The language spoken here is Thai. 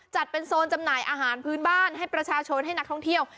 จัดเป็นโซนจำหน่ายอาหารพื้นบ้านให้ประชาชนให้นักท่องเที่ยว